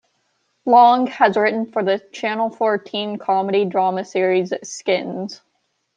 Long has written for the Channel Four teen comedy-drama series "Skins".